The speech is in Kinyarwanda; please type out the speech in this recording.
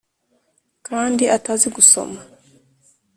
kandi atazi gusoma